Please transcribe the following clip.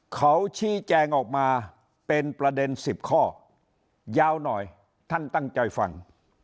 เขาชี้แจงออกมาเป็นประเด็น๑๐ข้อยาวหน่อยท่านตั้งใจฟัง